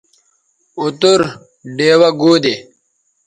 اوتر ڈیوہ گو دے